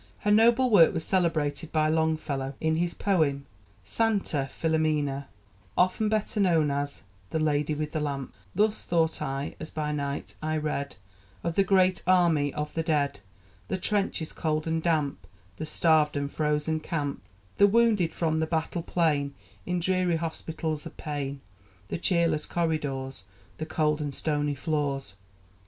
Her noble work was celebrated by Longfellow, in his poem "Santa Filomena," often better known as "The Lady with the Lamp": Thus thought I, as by night I read Of the great army of the dead, The trenches cold and damp, The starved and frozen camp, The wounded from the battle plain, In dreary hospitals of pain, The cheerless corridors, The cold and stony floors.